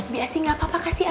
biasa nggak apa apa kasih aja